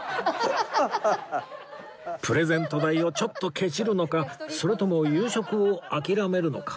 プレゼント代をちょっとケチるのかそれとも夕食を諦めるのか